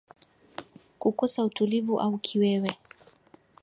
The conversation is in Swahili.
Kukosa utulivu au Kiwewe